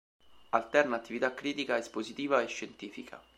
Alterna attività critica, espositiva e scientifica.